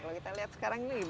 kalau kita lihat sekarang ini